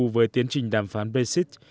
với tiến trình đàm phán brexit